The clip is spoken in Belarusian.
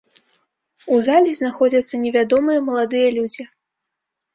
У залі знаходзяцца невядомыя маладыя людзі.